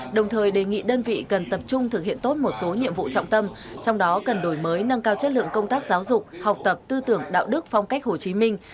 đồng thời đề nghị đơn vị cần tập trung thực hiện tốt một số nhiệm vụ trọng tâm trong đó cần đổi mới nâng cao chất lượng công tác giáo dục học tập tư tưởng đạo đức phong cách hồ chí minh